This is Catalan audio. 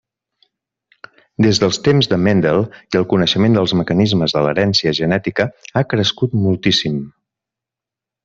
Des dels temps de Mendel el coneixement dels mecanismes de l'herència genètica ha crescut moltíssim.